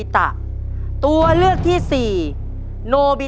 ตัวเลือกที่สอง๘คน